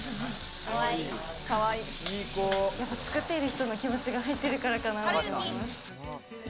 作っている人の気持ちが入ってるからかな。